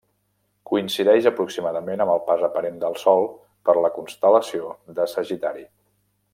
Coincideix aproximadament amb el pas aparent del Sol per la constel·lació de Sagitari.